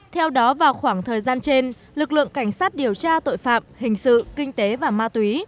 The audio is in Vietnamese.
theo đó vào khoảng thời gian trên lực lượng cảnh sát điều tra tội phạm hình sự kinh tế và ma túy